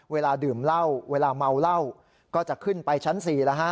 เวลาดื่มเหล้าเวลาเมาเหล้าก็จะขึ้นไปชั้น๔แล้วฮะ